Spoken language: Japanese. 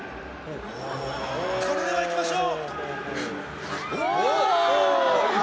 それではいきましょう。